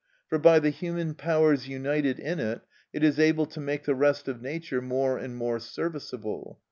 For by the human powers united in it, it is able to make the rest of nature more and more serviceable.